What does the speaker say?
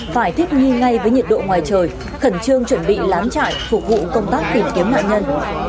phải thích nghi ngay với nhiệt độ ngoài trời khẩn trương chuẩn bị lán trại phục vụ công tác tìm kiếm nạn nhân